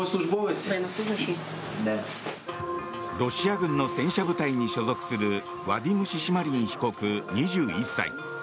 ロシア軍の戦車部隊に所属するワディム・シシマリン被告２１歳。